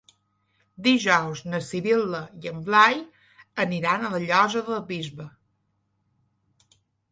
Dijous na Sibil·la i en Blai aniran a la Llosa del Bisbe.